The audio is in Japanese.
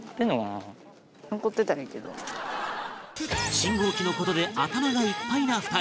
信号機の事で頭がいっぱいな２人